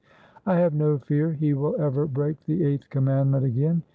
I have no fear he will ever break the Eighth Commandment again.